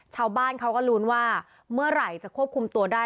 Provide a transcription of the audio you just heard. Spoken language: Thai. ชาวบ้านเขาก็ลุ้นว่าเมื่อไหร่จะควบคุมตัวได้